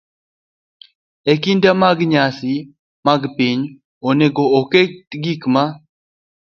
E kinde mag nyasi mag piny, onego oket gik ma